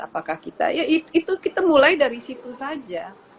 apakah kita ya itu kita mulai dari situ saja